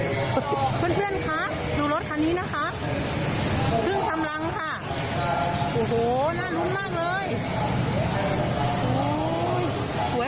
เพื่อนคะดูรถคันนี้นะคะขึ้นทำรังค่ะโอ้โหหน้ารุ้นมากเลย